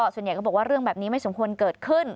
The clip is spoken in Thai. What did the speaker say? ส่วนใหญ่ก็บอกว่าเรื่องแบบนี้ไม่สมควรเกิดขึ้น